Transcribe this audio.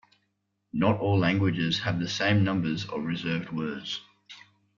Not all languages have the same numbers of reserved words.